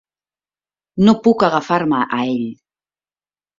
No puc agafar-me a ell.